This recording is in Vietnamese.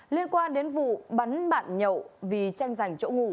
liên quan đến vụ bắn bạn nhậu vì tranh giành chỗ ngủ